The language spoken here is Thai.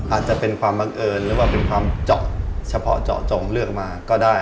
อาจจะเป็นความบังเอิญหรือว่าเป็นความเจาะเฉพาะเจาะจงเลือกมาก็ได้